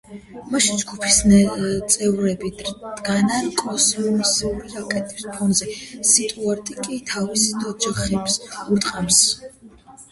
მასში ჯგუფის წევრები დგანან კოსმოსური რაკეტის ფონზე, სტიუარტი კი თავის ჯოხებს ურტყამს ხომალდის კორპუსს.